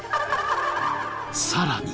さらに